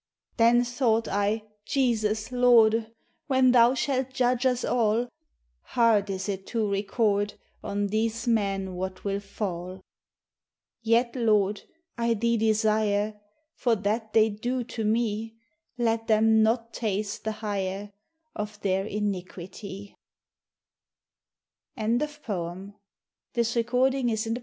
Then thought I, — Jesus, Lorde, When thou shalt judge us all, Harde is it to recorde On these men what will fall. Yet, Lorde, I thee desire, For that thev doe to me, Let them not taste the hire Of their iniquitie.